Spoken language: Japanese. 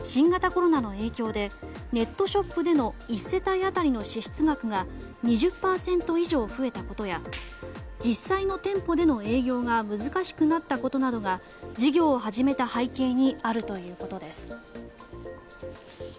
新型コロナの影響でネットショップでの一世帯当たりの支出額が２０％以上増えたことや実際の店舗での営業が難しくなったことなどが事業を始めた背景にあるということです。